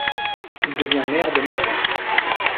Il devient maire de Marzac.